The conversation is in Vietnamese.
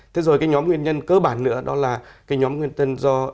thế rồi cái nhóm nguyên nhân cơ bản nữa đó là cái nhóm nguyên tân do